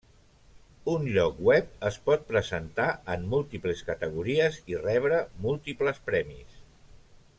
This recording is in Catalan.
Un lloc web es pot presentar en múltiples categories i rebre múltiples premis.